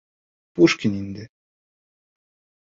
Пушкин инде.